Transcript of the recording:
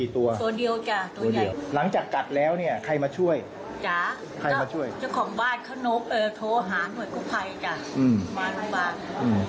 โทรหาหน่วยกู้ภัยจ้ะมาโรงพยาบาล